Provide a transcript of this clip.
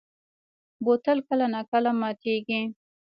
بوتل کله نا کله ماتېږي.